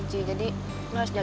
gak ada yang mau nanya